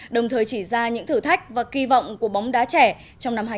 đồng thời chỉ ra những thử thách và kỳ vọng của bóng đá trẻ trong năm hai nghìn hai mươi